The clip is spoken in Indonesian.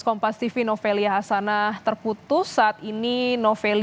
kontroversi pintu penabah yang lain